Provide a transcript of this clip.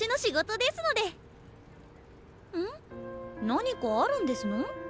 何かあるんですの？